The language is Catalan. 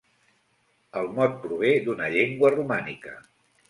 El mot prové d'una llengua romànica.